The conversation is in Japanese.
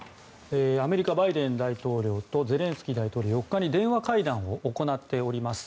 アメリカのバイデン大統領とゼレンスキー大統領は４日に電話会談を行っています。